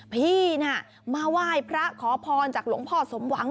พี่น่ะมาไหว้พระขอพรจากหลวงพ่อสมหวัง